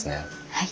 はい。